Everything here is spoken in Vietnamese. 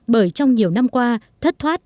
bởi trong nhiều năm qua thất thoát